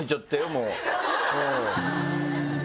もう。